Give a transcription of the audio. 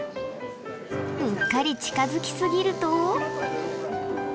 うっかり近づき過ぎると。